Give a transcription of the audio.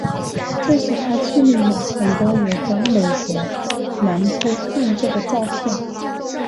这时他记录了很多有关美国南部旱灾的照片。